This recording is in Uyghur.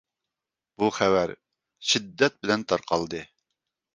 بۇ خەۋەر شىددەت بىلەن تارقالدى،